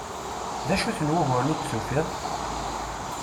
D acu-ten wuguren i d-tufiḍ?